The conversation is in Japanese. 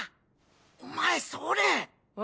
お前それ。え？